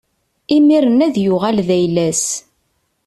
Imiren ad yuɣal d ayla-s.